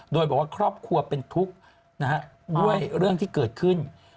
โดยบอกว่าครอบครัวเป็นทุกข์นะฮะด้วยเรื่องที่เกิดขึ้น